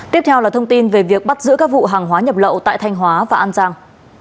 tiếp theo là thông tin về việc bắt giữ các vụ hàng hóa nhập lậu tại thanh hóa và an giang